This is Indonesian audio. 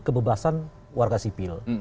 kebebasan warga sipil